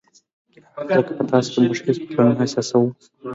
ځکه په تاسو کې موږ هېڅ بدلون نه احساسوو.